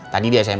satu dua tiga